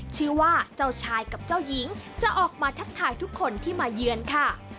เชื่อว่าเจ้าชายกับเจ้าหญิงจะออกมาทักทายทุกคนที่มาเยือนค่ะ